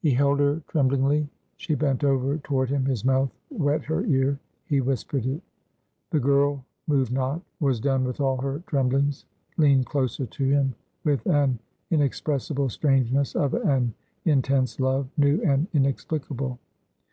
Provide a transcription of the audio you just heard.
He held her tremblingly; she bent over toward him; his mouth wet her ear; he whispered it. The girl moved not; was done with all her tremblings; leaned closer to him, with an inexpressible strangeness of an intense love, new and inexplicable.